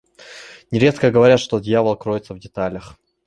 Нередко говорят, что дьявол кроется в деталях.